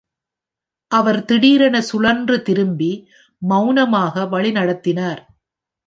அவர் திடீரென சுழன்று திரும்பி மௌனமாக வழிநடத்தினார்.